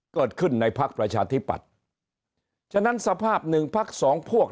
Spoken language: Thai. เกิดขึ้นในพักประชาธิปัตย์ฉะนั้นสภาพหนึ่งพักสองพวก